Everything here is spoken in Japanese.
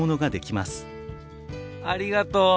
ありがとう！